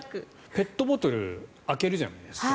ペットボトル開けるじゃないですか。